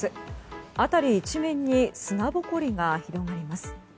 辺り一面に砂ぼこりが広がります。